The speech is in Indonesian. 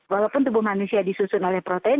walaupun tubuh manusia disusun oleh protein